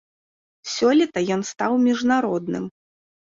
Сёлета ён стаў міжнародным.